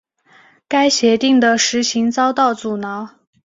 该协定的实行遭到阻挠。